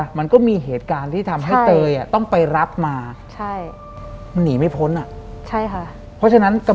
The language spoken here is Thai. หลังจากนั้นเราไม่ได้คุยกันนะคะเดินเข้าบ้านอืม